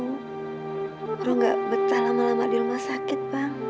lo gak betah lama lama di rumah sakit bang